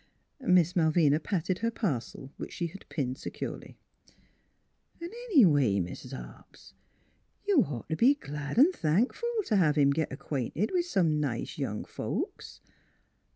Miss Malvina patted her parcel which she had pinned securely. " An', anyway, Mis' Hobbs, you'd ought t' be glad an' thankful t' hev him git acquainted with some nice young folks.